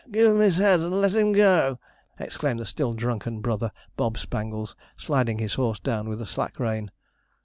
'Give him his head and let him go!' exclaimed the still drunken brother Bob Spangles, sliding his horse down with a slack rein.